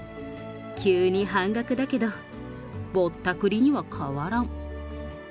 急に半額だけど、ぼったくりには変わらん。